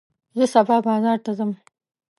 زه سبا بازار ته ځم.